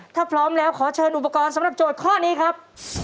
ถ้าพร้อมแล้วขอเชิญอุปกรณ์สำหรับโจทย์ข้อนี้ครับ